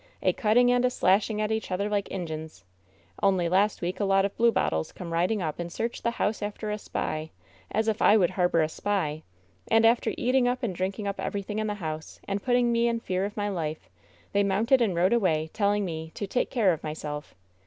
A cutting and a slashing at each other like Injuns ! Only last week a lot of Blue Bottles come rid ing up and searched the house after a spy — as if I would harbor a spy! — and after eating up and drinking up everything in the house, and putting me in fear of my life, they mounted and rode away, telling me ^to take care of myself